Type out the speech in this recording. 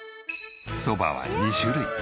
そばは２種類。